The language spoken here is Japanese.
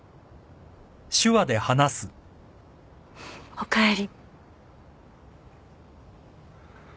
おかえり。